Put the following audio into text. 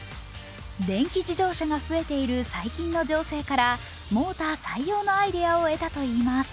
電気自動車が増えている最近の情勢からモーター採用のアイデアを得たといいます。